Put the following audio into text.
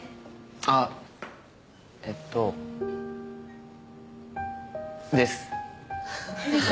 あっえっとです！